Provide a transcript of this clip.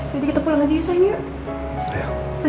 jadi kita pulang aja ya sayang